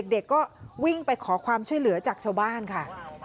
เด็กก็วิ่งไปขอความช่วยเหลือจากชาวบ้านค่ะ